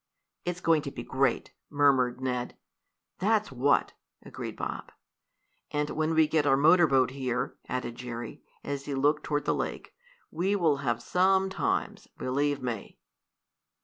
"It's going to be great!" murmured Ned. "That's what!" agreed Bob. "And when we get our motor boat here," added Jerry, as he looked toward the lake, "we will have some times believe me!"